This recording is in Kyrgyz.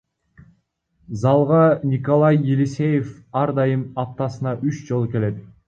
Залга Николай Елисеев ар дайым аптасына үч жолу келет.